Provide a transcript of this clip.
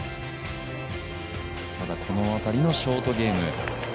ただ、この辺りのショートゲーム。